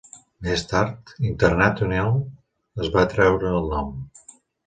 Més tard, "International" es va treure del nom.